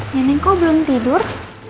neneng kok belum tidur